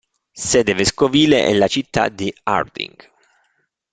Sede vescovile è la città di Harding.